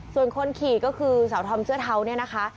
ส่วนคนขี่ก็คือสาวธอมเสื้อเทาเนี่ยนะคะ